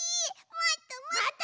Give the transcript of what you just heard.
もっともっと！